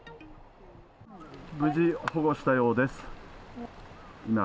無事、保護したようです。